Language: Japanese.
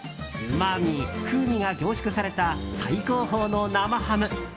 うまみ、風味が凝縮された最高峰の生ハム。